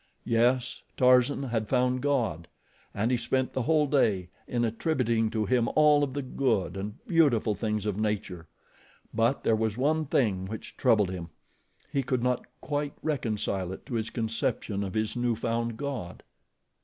Yes, Tarzan had found God, and he spent the whole day in attributing to Him all of the good and beautiful things of nature; but there was one thing which troubled him. He could not quite reconcile it to his conception of his new found God.